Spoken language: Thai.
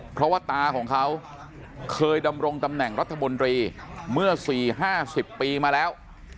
เพราะว่าตาของเขาเคยดำรงตำแหน่งรัฐมนตรีเมื่อ๔๕๐ปีมาแล้ว